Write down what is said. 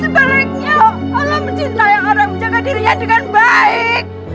sebaliknya allah mencintai orang menjaga dirinya dengan baik